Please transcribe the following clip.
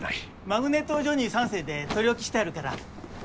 マグネットジョニー３世で取り置きしてあるから。